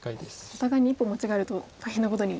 お互いに一歩間違えると大変なことに。